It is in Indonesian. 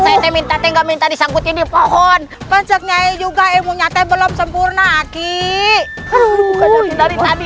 saya minta minta disangkutin di pohon pancaknya juga ilmu nyata belum sempurna aki dari tadi